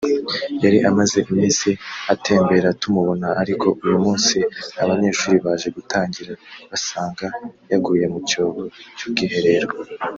yari amaze iminsi atembera tumubona ariko uyu munsi abanyeshuri baje gutangira basanga yaguye mu cyobo cy’ubwiherero